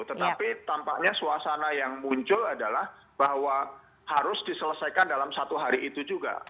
tetapi tampaknya suasana yang muncul adalah bahwa harus diselesaikan dalam satu hari itu juga